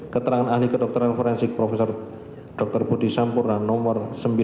keterangan ahli kedokteran forensik prof dr budi sampurna nomor sembilan dua puluh sembilan